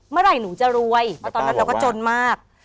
เมื่อไหร่หนูจะรวยเพราะตอนนั้นเราก็จนมาก